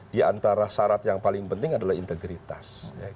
di antara syarat yang paling penting adalah integritas